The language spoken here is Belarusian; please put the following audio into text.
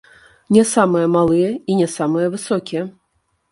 Не самыя малыя і не самыя высокія.